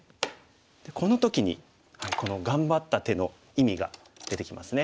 この時にこの頑張った手の意味が出てきますね。